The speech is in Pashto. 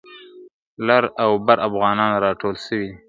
لر او بر افغانان راټول سوي دي ,